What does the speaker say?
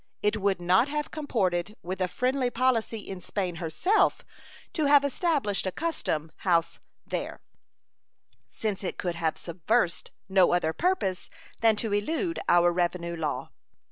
It would not have comported with a friendly policy in Spain herself to have established a custom house there, since it could have subserved no other purpose than to elude our revenue law.